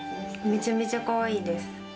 めちゃめちゃかわいいです。